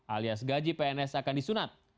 alias gaji pns akan disunat